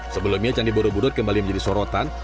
sebelumnya candi borobudur kembali menjadi sorotan